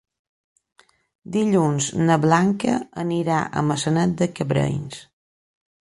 Dilluns na Blanca anirà a Maçanet de Cabrenys.